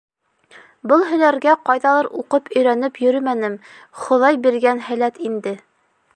Был һөнәргә ҡайҙалыр уҡып-өйрәнеп йөрөмәнем, Хоҙай биргән һәләт инде...